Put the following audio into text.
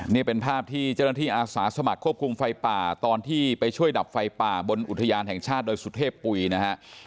นี่เป็นภาพที่เจ้าหน้าที่อาสาสมัครควบคุมไฟป่าตอนที่ไปช่วยดับไฟป่าบนอุทยานแห่งชาติดอยสุเทพปุ๋ยนะฮะ